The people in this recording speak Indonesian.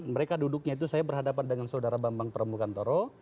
mereka duduknya itu saya berhadapan dengan saudara bambang pramukantoro